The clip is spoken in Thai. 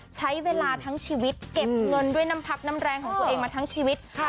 ใช้เวลาทั้งชีวิตเก็บเงินด้วยน้ำพักน้ำแรงของตัวเองมาทั้งชีวิต